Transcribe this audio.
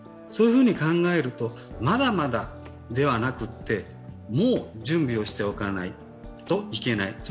そういうふうに考えると、まだまだではなくて、もう準備をしておかないといけない。